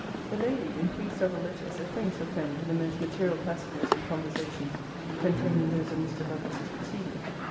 [The Lady, in three several letters, acquaints her friend with the most material passages and conversations contained in those of Mr. Lovelace's preceding.